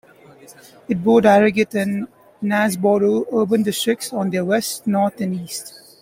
It bordered Harrogate and Knaresborough urban districts on their west, north and east.